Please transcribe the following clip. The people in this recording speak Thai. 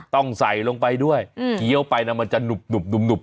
ต้องใส่ลงไปด้วยอืมเกี้ยวไปนะมันจะหนุบหนุบหนุบหนุบ